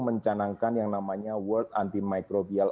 mencanangkan yang namanya world antimicrobial